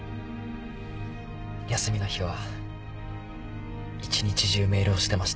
休みの日は一日中メールをしてました。